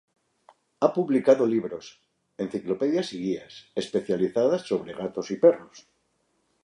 Ha publicado libros, enciclopedias y guías especializadas sobre gatos y perros.